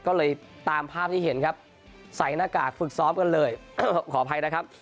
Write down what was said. ก็เลยตามภาพที่เห็นครับใส่หน้ากากฝึกซ้อมกันเลยขออภัยนะครับ